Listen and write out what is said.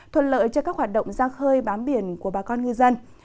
thuận lợi cho các hoạt động ra khơi bám biển của bà con ngư dân